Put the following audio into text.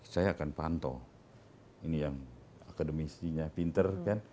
saya akan pantau ini yang akademisinya pinter kan